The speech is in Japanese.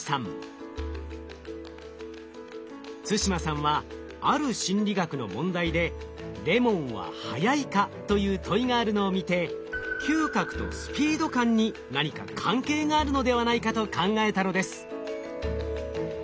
對馬さんはある心理学の問題で「レモンは速いか」という問いがあるのを見て嗅覚とスピード感に何か関係があるのではないかと考えたのです。